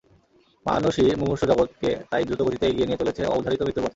মানুষই মুমূর্ষু জগৎকে তাই দ্রুতগতিতে এগিয়ে নিয়ে চলেছে অবধারিত মৃত্যুর পথে।